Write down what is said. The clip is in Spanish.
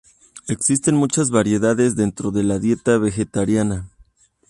Existen muchas variedades dentro de la dieta vegetariana.